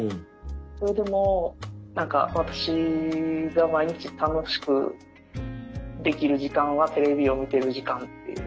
それでも私が毎日楽しくできる時間はテレビを見てる時間っていう。